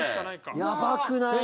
やばくない？